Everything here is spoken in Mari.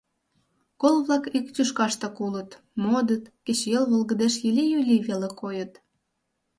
Кол-влак ик тӱшкаштак улыт, модыт, кечыйол волгыдеш йыли-юли веле койыт.